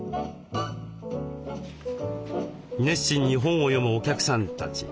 熱心に本を読むお客さんたち。